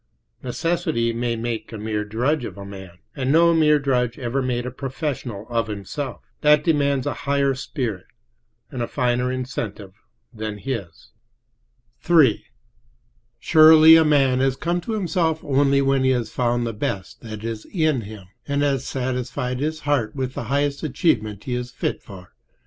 Necessity may make a mere drudge of a man, and no mere drudge ever made a professional of himself; that demands a higher spirit and a finer incentive than his. III Surely a man has come to himself only when he has found the best that is in him, and has satisfied his heart with the highest achievement he is fit for.